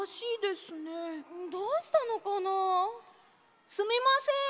すみません！